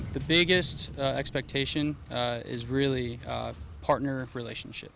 pertarungan terbesar adalah hubungan pasangan